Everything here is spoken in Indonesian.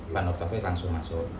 pak nur taufik langsung masuk